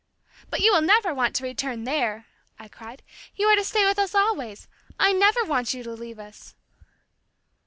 "But you will never return there," I cried, "you are to stay with us always. I never want you to leave us."